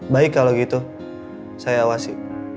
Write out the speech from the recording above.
baik kalau gitu saya awasi